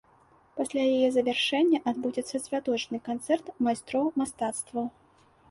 Пасля яе завяршэння адбудзецца святочны канцэрт майстроў мастацтваў.